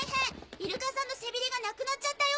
イルカさんの背びれがなくなっちゃったよ！